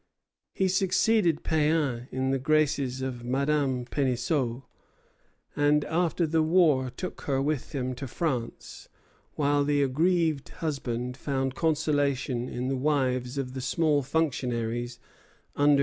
He succeeded Péan in the graces of Madame Penisseault, and after the war took her with him to France; while the aggrieved husband found consolation in the wives of the small functionaries under his orders.